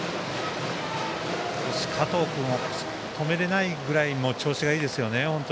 加藤君も止められないぐらい調子がいいですね。